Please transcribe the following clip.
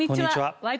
「ワイド！